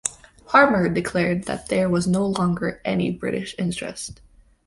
Harmer declared that there was no longer any British interest.